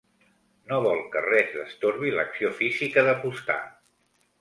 No vol que res destorbi l'acció física d'apostar.